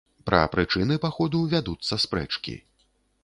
Пра прычыны паходу вядуцца спрэчкі.